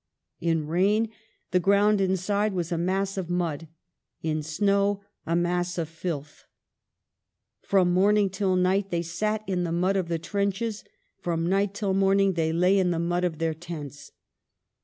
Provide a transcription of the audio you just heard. In rain, the ground inside was a mass of mud ; in snow, a mass of filth. From morning till night they sat in the mud of the trenches, from night till morning they lay in the mud of their tents."